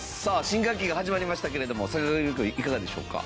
新学期が始まりましたけれども坂上くんいかがでしょうか？